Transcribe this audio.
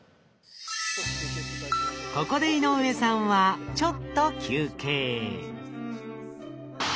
ここで井上さんはちょっと休憩。